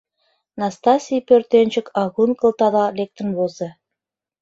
Настасий пӧртӧнчык агун кылтала лектын возо.